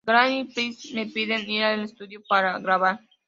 Granz y Price me piden ir al estudio para grabar.